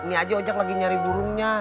nih aja ojak lagi nyari burungnya